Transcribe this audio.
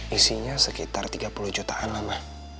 isinya sekitar tiga puluh jutaan lah ma